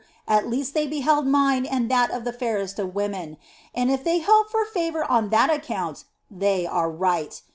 At least they beheld mine and that of the fairest of women, and if they hope for favor on that account they are right.